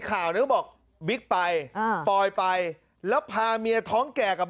ข่าวนี้ก็บอกบิ๊กไปอ่าปอยไปแล้วพาเมียท้องแก่กับ